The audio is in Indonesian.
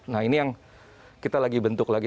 nah ini yang kita lagi bentuk lagi